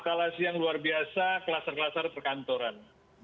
eskalasi yang luar biasa kelasar kelasar perkantoran